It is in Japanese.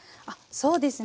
そうですね。